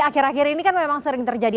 akhir akhir ini kan memang sering terjadi